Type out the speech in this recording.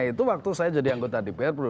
itu waktu saya jadi anggota dpr